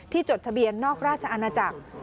จดทะเบียนนอกราชอาณาจักร